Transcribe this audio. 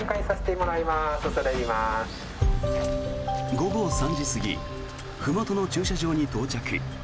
午後３時過ぎふもとの駐車場に到着。